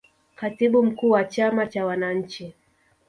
katibu mkuu wa chama cha wananchi